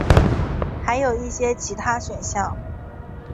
还有一些其他选项。